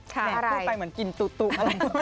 แหม่พูดไปเหมือนกลิ่นตุ๊ก